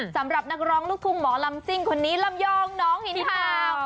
สำหรับนักร้องลูกทุ่งหมอลำซิ่งคนนี้ลำยองน้องหินฮาว